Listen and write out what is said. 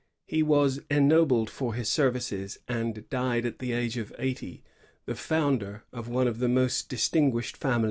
He was ennobled for his services, and died at the age of eighty, the founder of one of the most distinguished families of Canada.